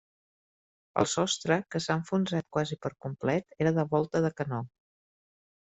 El sostre, que s'ha enfonsat quasi per complet, era de volta de canó.